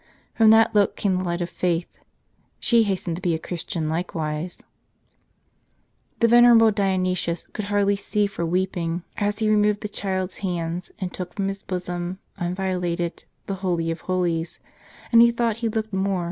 From that look came the light of faith : she hastened to be a Christian likewise. The venerable Dionysius could hardly see for weeping, as he removed the child's hands, and took from his bosom, unvio lated, the Holy of holies ; and he thought he looked more like '> r F H c_j *Is it possible?"